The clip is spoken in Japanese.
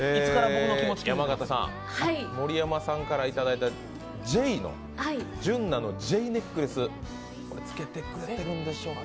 山形さん、盛山さんからいただいた純菜の「Ｊ」のネックレス、着けてくれているんでしょうか。